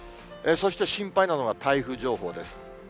そして心配なのは台風情報です。